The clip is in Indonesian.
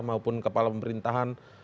maupun kepala pemerintahan